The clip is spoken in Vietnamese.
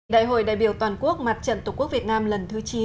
đại hội đại biểu toàn quốc mặt trận tổ quốc việt nam lần thứ chín